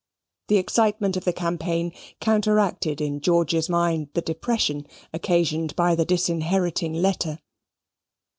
The excitement of the campaign counteracted in George's mind the depression occasioned by the disinheriting letter.